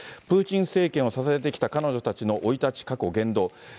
プーチン政権を支えてきた彼女たちの生い立ち、過去、言動。